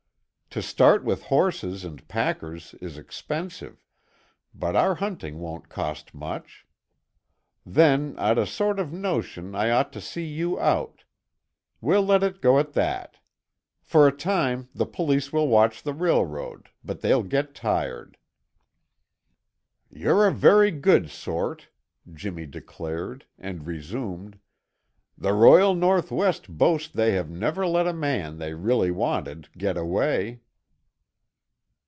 "To start with horses and packers is expensive, but our hunting won't cost much. Then I'd a sort of notion I ought to see you out. We'll let it go at that. For a time the police will watch the railroad, but they'll get tired." "You're a very good sort," Jimmy declared and resumed: "The Royal North West boast they have never let a man they really wanted get away."